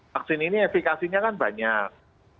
vaksin ini efekasinya kan banyak